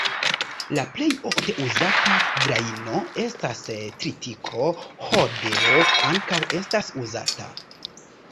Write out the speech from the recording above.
La plej ofte uzata grajno estas tritiko; hordeo ankaŭ estas uzata.